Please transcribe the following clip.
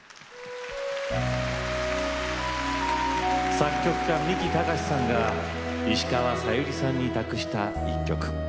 作曲家、三木たかしさんが石川さゆりさんに託した１曲。